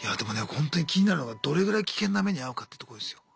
ホントに気になるのがどれぐらい危険な目に遭うかってとこですよ。